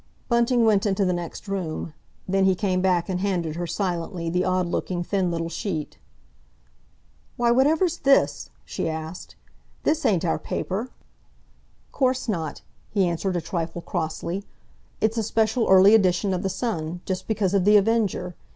Bunting went into the next room; then he came back and handed her silently the odd looking, thin little sheet. "Why, whatever's this?" she asked. "This ain't our paper!" "'Course not," he answered, a trifle crossly. "It's a special early edition of the Sun, just because of The Avenger.